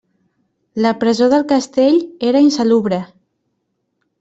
La presó del castell era insalubre.